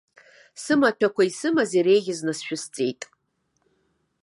Сымаҭәақәа исымаз иреиӷьыз насшәысҵеит.